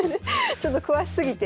ちょっと詳しすぎて。